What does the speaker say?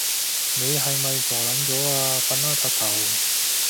你係咪傻撚咗啊？瞓啦柒頭